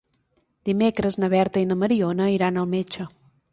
Dimecres na Berta i na Mariona iran al metge.